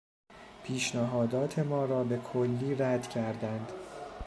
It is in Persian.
پیشنهادات ما را به کلی رد کردند.